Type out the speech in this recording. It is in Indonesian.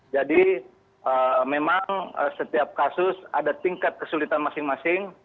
jadi memang setiap kasus ada tingkat kesulitan masing masing